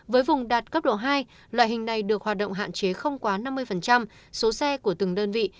với vùng đạt cấp độ hai loại hình này được hoạt động hạn chế không quá năm mươi số xe của từng đơn vị